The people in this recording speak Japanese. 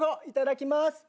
いただきます。